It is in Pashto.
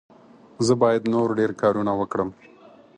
زه باید نور ډېر کارونه وکړم.